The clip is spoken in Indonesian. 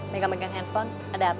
megang megang handphone ada apa